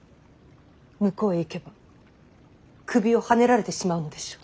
向こうへ行けば首をはねられてしまうのでしょう。